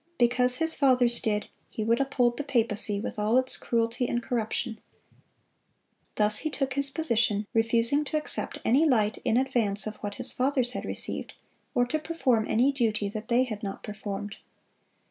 Because his fathers did, he would uphold the papacy, with all its cruelty and corruption. Thus he took his position, refusing to accept any light in advance of what his fathers had received, or to perform any duty that they had not performed.